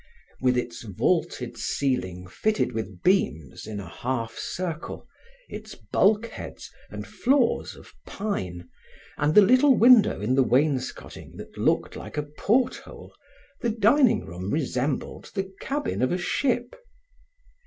With its vaulted ceiling fitted with beams in a half circle, its bulkheads and floor of pine, and the little window in the wainscoting that looked like a porthole, the dining room resembled the cabin of a ship.